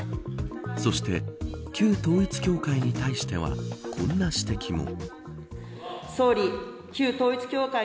そして旧統一教会に対してはこんな指摘も。